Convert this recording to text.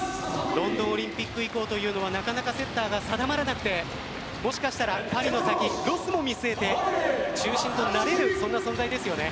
ロンドンオリンピック以降なかなかセッターが定まらなくてもしかしたらパリの先、ロスも見据えて中心となれる存在ですよね。